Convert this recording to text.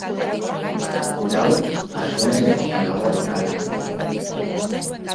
Gaur asunez beteta dago lokala.